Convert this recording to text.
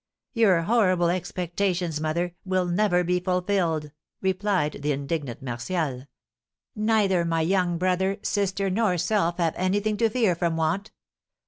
"Your horrible expectations, mother, will never be fulfilled," replied the indignant Martial; "neither my young brother, sister, nor self have anything to fear from want.